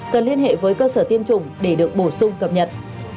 cần liên hệ với cơ sở tiêm chủng để được bổ sung cập nhật